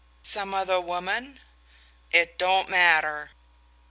"Some other woman?" "It don't matter."